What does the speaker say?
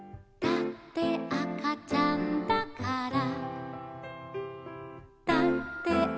「だってあかちゃんだから」